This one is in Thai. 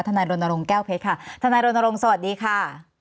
ท่านท่านโรนโลงแก้วเพชรค่ะท่านท่านโรนโลงสวัสดีค่ะ